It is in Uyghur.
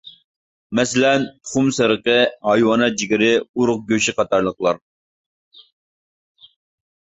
مەسىلەن: تۇخۇم سېرىقى، ھايۋانات جىگىرى، ئورۇق گۆش قاتارلىقلار.